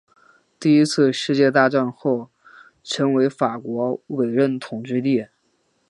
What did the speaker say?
第一次世界大战后成为法国委任统治地。